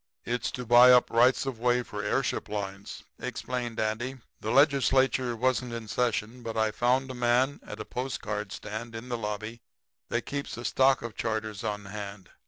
"'It's to buy up rights of way for airship lines,' explained Andy. 'The Legislature wasn't in session, but I found a man at a postcard stand in the lobby that kept a stock of charters on hand.